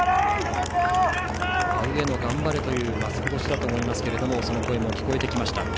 上野、頑張れ！というマスク越しだと思いますが声援も聞こえてきました。